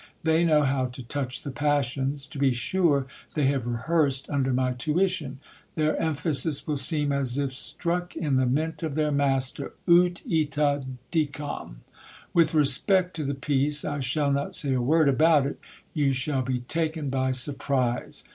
They know how to touch the passions ! To be sure they have rehearsed under my tuition ; their emphasis will seem as if struck in the mint of their master — ut ita dicam. With respect to the piece I shall not say a word about it, you shall be taken by surprise.